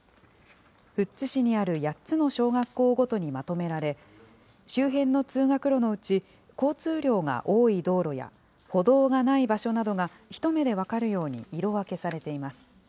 富津市にある８つの小学校ごとにまとめられ、周辺の通学路のうち交通量が多い道路や歩道がない場所などが一目で分かるように色分けされています。